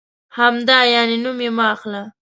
همدا یعنې؟ نوم یې مه اخله.